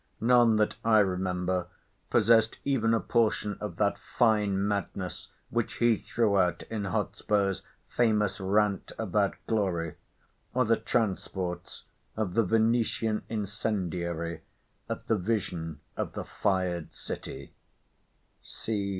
None that I remember possessed even a portion of that fine madness which he threw out in Hotspur's famous rant about glory, or the transports of the Venetian incendiary at the vision of the fired city.